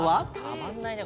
たまんないね